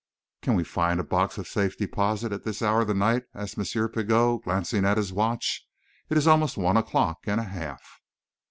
"Can we find a box of safe deposit at this hour of the night?" asked M. Pigot, glancing at his watch. "It is almost one o'clock and a half."